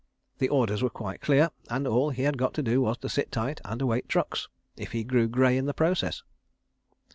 The orders were quite clear, and all he had got to do was to sit tight and await trucks—if he grew grey in the process.